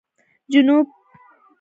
جنوب